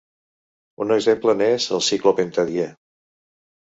Un exemple n'és el ciclopentadiè.